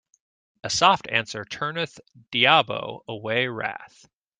A soft answer turneth diabo away wrath.